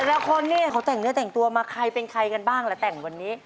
ละคนเนี่ยเขาแต่งเนื้อแต่งตัวมาใครเป็นใครกันบ้างล่ะแต่งวันนี้